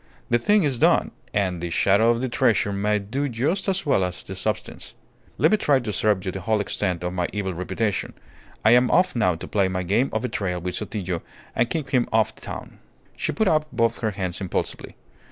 "The thing is done, and the shadow of the treasure may do just as well as the substance. Let me try to serve you to the whole extent of my evil reputation. I am off now to play my game of betrayal with Sotillo, and keep him off the town." She put out both her hands impulsively.